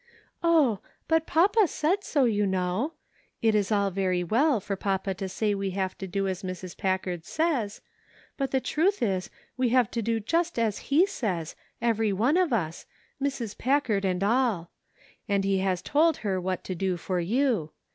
"Oh! but papa said so, you know. It is all very well for papa to say we have to do as Mrs. Packard says ; but the truth is we have to do just as he says, every one of us, Mrs. Packard and all ; and he has told her what to do for you.